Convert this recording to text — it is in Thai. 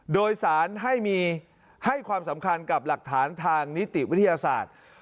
โดยสารให้ความสำคัญกับหลักฐานทางนิติวิทยาศาสตร์